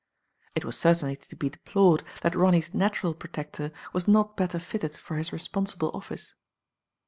It was certainly to be deplored that Ronny*s natural protector was not better fitted fof his responsible office.